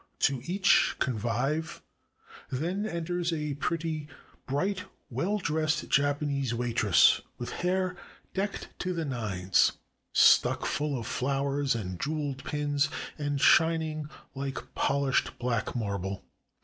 To each convive then enters a pretty, bright, well dressed Japanese waitress, with hair decked "to the nines," stuck full of flowers and jeweled pins, and shin ing Uke polished black marble.